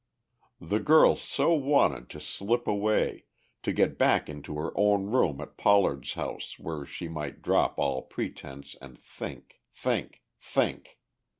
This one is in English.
The girl so wanted to slip away, to get back into her own room at Pollard's house where she might drop all pretence and think, think, think!